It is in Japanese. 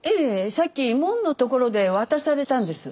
さっき門の所で渡されたんです。